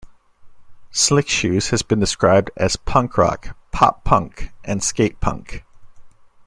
Slick Shoes has been described as punk rock, pop punk, and skate punk.